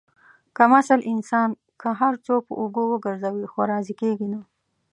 کم اصل انسان که هر څو په اوږو وگرځوې، خو راضي کېږي نه.